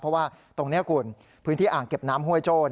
เพราะว่าตรงนี้คุณพื้นที่อ่างเก็บน้ำห้วยโจ้